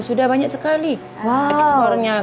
sudah banyak sekali ekspornya ke mana mana